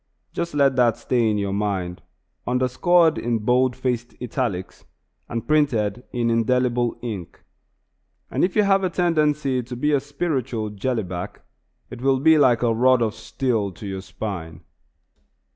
Just let that thought stay in your mind, underscored in bold faced italics, and printed in indelible ink; and if you have a tendency to be a spiritual "jelly back," it will be like a rod of steel to your spine.